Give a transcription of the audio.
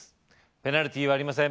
ペナルティーはありません